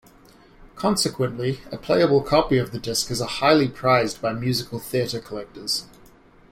Consequently, a playable copy of the disc is highly prized by musical theatre collectors.